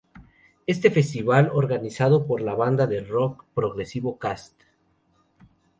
Este festival, organizado por la banda de rock progresivo: Cast.